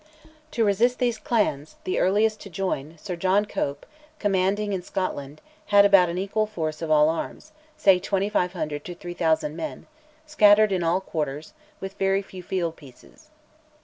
To resist these clans, the earliest to join, Sir John Cope, commanding in Scotland, had about an equal force of all arms, say 2500 to 3000 men, scattered in all quarters, and with very few field pieces.